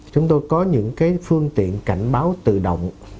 chúng tôi có những phương tiện cảnh báo tự động